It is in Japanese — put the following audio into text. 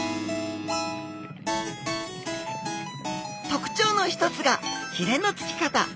特徴の一つがひれの付き方。